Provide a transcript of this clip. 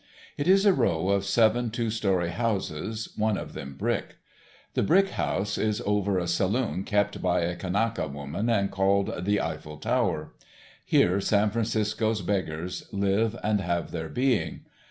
It is a row of seven two story houses, one of them brick. The brick house is over a saloon kept by a Kanaka woman and called "The Eiffel Tower." Here San Francisco's beggars live and have their being.